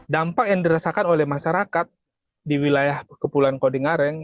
dampak yang dirasakan oleh masyarakat di wilayah kepulauan kodingareng